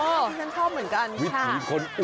โอ้โฮที่ฉันชอบเหมือนกันค่ะ